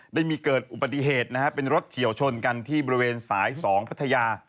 ได้มีเกิดอุบัติเหตุนะฮะเป็นรถเฉียวชนกันที่บริเวณสาย๒พัทยา